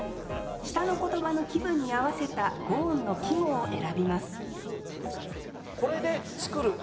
下の言葉の気分に合わせた五音の季語を選びます